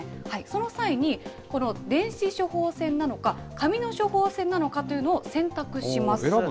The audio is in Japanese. その際に、この電子処方箋なのか、紙の処方箋なのかというのを選択します。